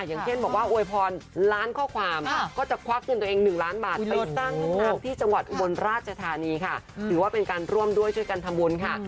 อย่างเช่นบอกว่าอวยพรล้านข้อความก็จะควักเงินตัวเอง๑ล้านบาทไปสร้างห้องน้ำที่จังหวัดอุบลราชธานีค่ะถือว่าเป็นการร่วมด้วยช่วยกันทำบุญค่ะ